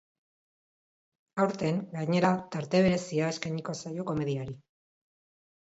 Aurten, gainera, tarte berezia eskainiko zaio komediari.